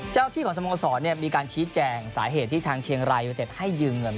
ที่ของสโมสรมีการชี้แจงสาเหตุที่ทางเชียงรายยูเต็ดให้ยืมเงิน